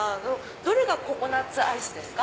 どれがココナッツアイスですか？